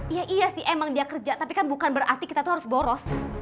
iya iya sih emang dia kerja tapi kan bukan berarti kita tuh harus boros